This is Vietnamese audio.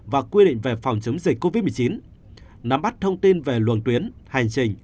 và quy định về phòng chống dịch covid một mươi chín nắm bắt thông tin về luồng tuyến hành trình